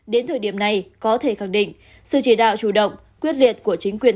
đến thời điểm này có thể khẳng định sự chỉ đạo chủ động quyết liệt của chính quyền